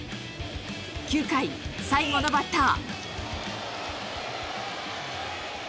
９回、最後のバッター。